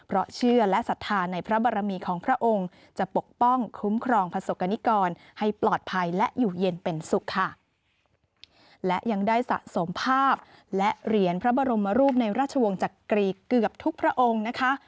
และเหรียญพระบรมรูปในราชวงศ์จากกรีกเกือบทุกพระองค์นะคะ